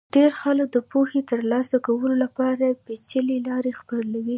ډېر خلک د پوهې ترلاسه کولو لپاره پېچلې لار خپلوي.